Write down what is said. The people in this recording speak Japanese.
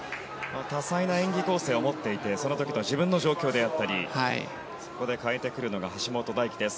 多彩な演技構成を持っていてその時の自分の状況であったりそこで変えてくるのが橋本大輝です。